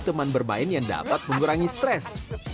teman bermain yang dapat mengurangi stres